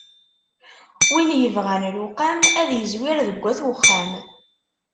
Win yebɣam luqam, ad yezwir deg wat uxxam.